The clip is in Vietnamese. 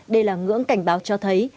đây là ngưỡng cảnh báo cho thấy